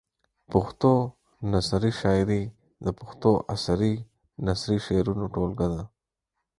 پښتو نثري شاعري د پښتو عصري نثري شعرونو ټولګه ده.